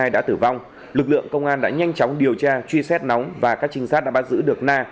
đã tử vong lực lượng công an đã nhanh chóng điều tra truy xét nóng và các trinh sát đã bắt giữ được na